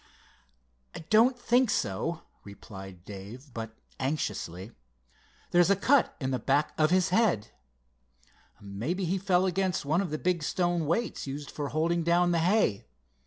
"I don't think so," replied Dave, but anxiously. "There's a cut in the back of his head." "Mebbe he fell against one of the big stone weights used for holding down the hay.